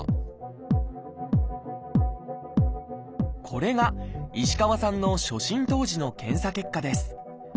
これが石川さんの初診当時の検査結果です。